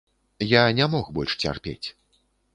Я не мог больш цярпець.